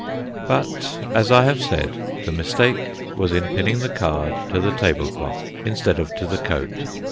But, as I have said, the mistake was in pinning the card to the tablecloth instead of to the coat.